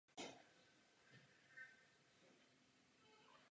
Bezpečnostní aspekty se neberou v potaz.